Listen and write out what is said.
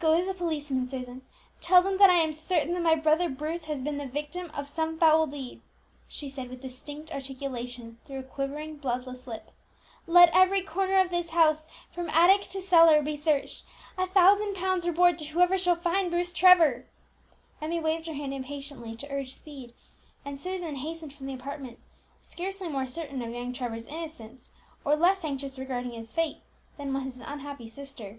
"Go to the policemen, Susan; tell them that I am certain that my brother Bruce has been the victim of some foul deed," she said with distinct articulation though a quivering, bloodless lip. "Let every corner of this house, from attic to cellar, be searched; a thousand pounds' reward to whoever shall find Bruce Trevor!" Emmie waved her hand impatiently to urge speed, and Susan hastened from the apartment, scarcely more certain of young Trevor's innocence, or less anxious regarding his fate, than was his unhappy sister.